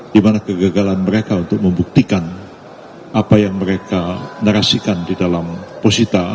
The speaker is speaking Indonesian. di mana kegagalan mereka untuk membuktikan apa yang mereka narasikan di dalam posisi